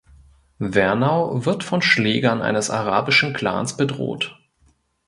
Vernau wird von Schlägern eines arabischen Klans bedroht.